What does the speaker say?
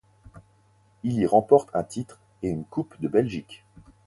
Il y remporte un titre et une coupe de Belgique.